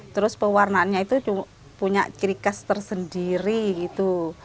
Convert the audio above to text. terus pewarnaannya itu punya ciri khas tersendiri gitu